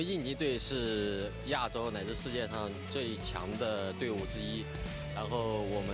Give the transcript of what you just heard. ini adalah satu dari pemanjat yang paling kuat di asia dan di dunia